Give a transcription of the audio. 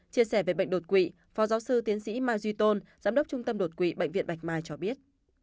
chia sẻ về bệnh đột quỵ phó giáo sư tiến sĩ mai duy tôn giám đốc trung tâm đột quỵ bệnh viện bạch mai cho biết